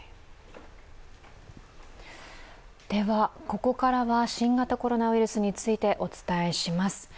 ここからは新型コロナウイルスについてお伝えします。